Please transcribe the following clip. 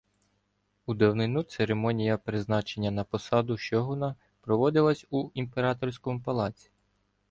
У давнину церемонія призначення на посаду шьоґуна проводилася у імператорському палаці.